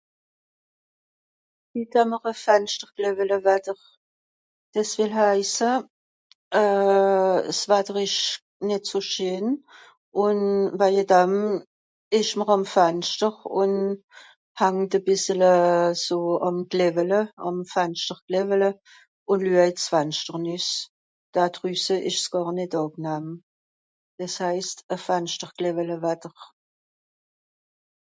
hit hàmm'r e fanschtergläwele watter des will haisse euh 's watter esch net so scheen ùn waije dam esch mr àm fanschter ùn hangt e bìssele euh so àm gläwele àm fanschtergläwele ùn lüejt 's fanschter nüss da drüsse esch's gàr net àgnahm des haisst e fanschtergläwele watter